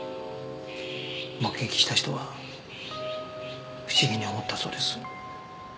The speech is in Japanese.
目撃した人は不思議に思ったそうです。